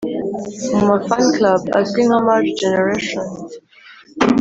mu ma fan club azwi nka march generation